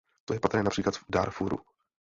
To je patrné například v Dárfúru.